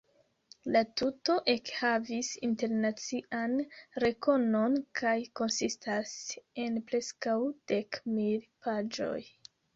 La tuto ekhavis internacian rekonon kaj konsistas en preskaŭ dek mil paĝoj.